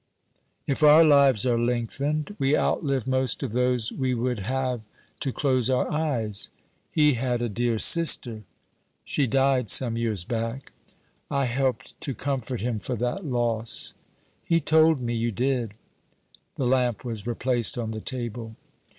'If our lives are lengthened we outlive most of those we would have to close our eyes. He had a dear sister.' 'She died some years back.' 'I helped to comfort him for that loss.' 'He told me you did.' The lamp was replaced on the table.